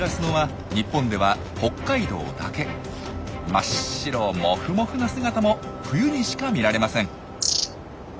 真っ白モフモフな姿も冬にしか見られません。